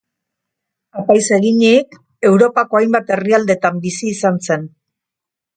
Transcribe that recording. Apaiz eginik, Europako hainbat herrialdetan bizi izan zen.